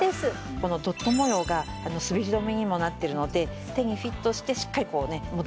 このドット模様が滑り止めにもなっているので手にフィットしてしっかり持てると切りやすいんです。